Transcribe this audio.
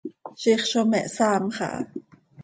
Ziix zo me hsaamx aha.